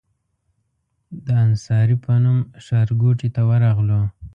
د انصاري په نوم ښارګوټي ته ورغلو.